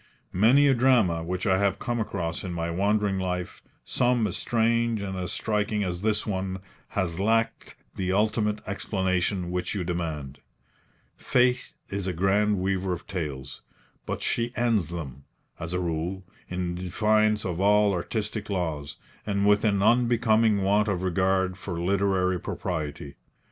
Many a drama which I have come across in my wandering life, some as strange and as striking as this one, has lacked the ultimate explanation which you demand. Fate is a grand weaver of tales; but she ends them, as a rule, in defiance of all artistic laws, and with an unbecoming want of regard for literary propriety.